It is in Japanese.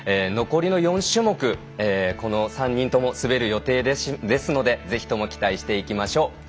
残りの４種目この３人とも滑る予定ですのでぜひとも期待していきましょう。